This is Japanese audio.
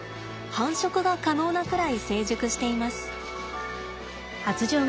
繁殖が可能なくらい成熟しています。